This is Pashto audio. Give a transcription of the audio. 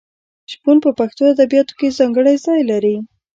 شپون په پښتو ادبیاتو کې ځانګړی ځای لري.